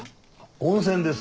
温泉です